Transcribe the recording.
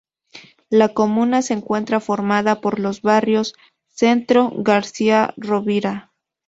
La comuna se encuentra formada por los barrios: Centro, García Rovira.